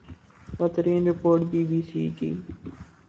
ہترین report B B C کی